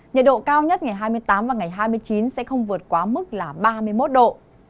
nhiệt độ cao nhất ngày hai mươi tám và ngày hai mươi chín sẽ không vượt quá mức là ba mươi một độ